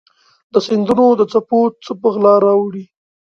د سیندونو د څپو څه په غلا راوړي